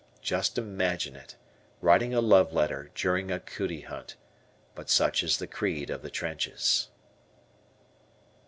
Just imagine it, writing a love letter during a "cootie" hunt; but such is the creed of the trenches.